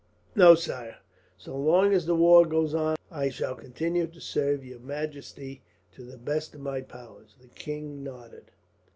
"No, sire. So long as the war goes on, I shall continue to serve your majesty to the best of my powers." The king nodded.